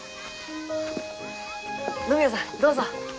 野宮さんどうぞ。